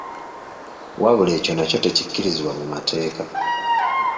Wabula ekyo nakyo tekikkirizibwa mu mateeka.